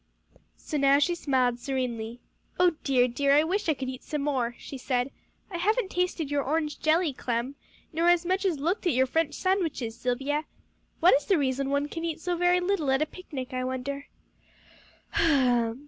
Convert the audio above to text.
So now she smiled serenely. "Oh dear, dear! I wish I could eat some more," she said. "I haven't tasted your orange jelly, Clem, nor as much as looked at your French sandwiches, Silvia. What is the reason one can eat so very little at a picnic, I wonder?"